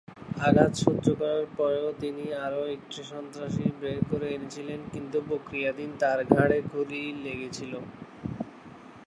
আঘাত সহ্য করার পরেও তিনি আরও একটি সন্ত্রাসী বের করে এনেছিলেন, কিন্তু প্রক্রিয়াধীন তাঁর ঘাড়ে গুলি লেগেছিল।